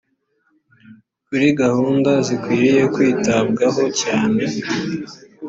kuri gahunda zikwiriye kwitabwaho cyane